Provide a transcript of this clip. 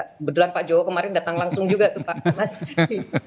kebetulan pak jokowi kemarin datang langsung juga tuh pak